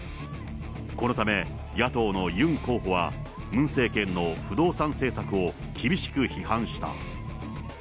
このため野党のユン候補は、ムン政権の不動産政策を厳しく批判した。